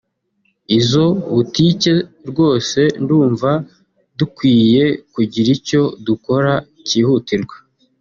izo butike rwose ndumva dukwiye kugira icyo dukora cyihutirwa